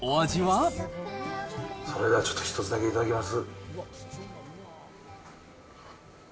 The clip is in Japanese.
それではちょっと、一つだけ頂きます。